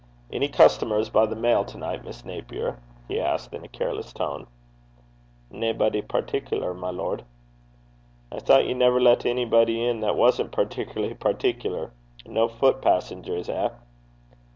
'Any customers by the mail to night, Miss Naper?' he asked, in a careless tone. 'Naebody partic'lar, my lord.' 'I thought ye never let anybody in that wasn't particularly particular. No foot passengers eh?'